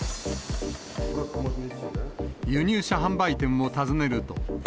輸入車販売店を訪ねると。